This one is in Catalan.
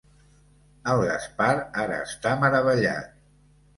El Gaspar ara està meravellat.